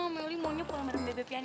meli mau nyepul bareng bebek piani